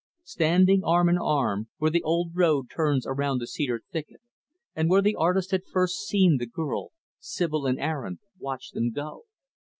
Standing arm in arm, where the old road turns around the cedar thicket, and where the artist had first seen the girl, Sibyl and Aaron watched them go.